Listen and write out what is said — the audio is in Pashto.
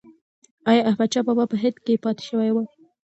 ایا احمدشاه بابا په هند کې پاتې شو؟